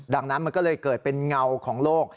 ดังนั้นมันก็เลยเกิดเป็นเงาของโลก